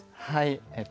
はい。